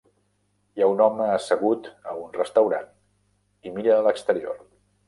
Hi ha un home assegut a un restaurant i mira a l'exterior.